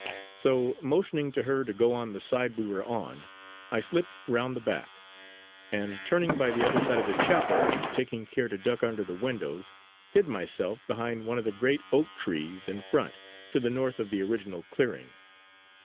So motioning to her to go on the side we were on, I slipped round the back, and turning by the other side of the chapel, and taking care to duck under the windows, hid myself behind one of the great oak trees in front, to the north of the original clearing.